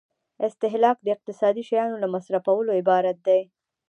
استهلاک د اقتصادي شیانو له مصرفولو عبارت دی.